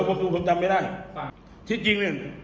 โรงเรียนให้รับการเรียน